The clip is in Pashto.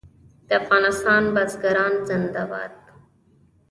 د افغانستان بزګران زنده باد.